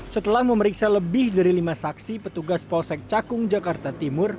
setelah memeriksa lebih dari lima saksi petugas polsek cakung jakarta timur